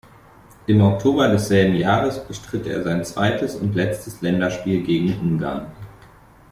Im Oktober desselben Jahres bestritt er sein zweites und letztes Länderspiel gegen Ungarn.